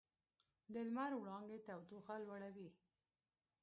د لمر وړانګې تودوخه لوړوي.